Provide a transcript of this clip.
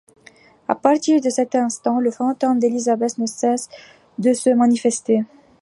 À partir de cet instant, le fantôme d'Elizabeth ne cesse de se manifester.